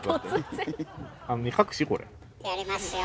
やりますよ。